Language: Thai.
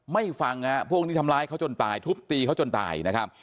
ไม่ฟังพวกนี้ทำร้ายเขาจนตายทุบตีเขาจนตาย